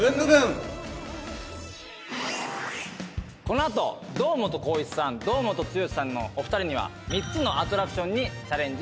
この後堂本光一さん堂本剛さんのお二人には３つのアトラクションにチャレンジしていただきます。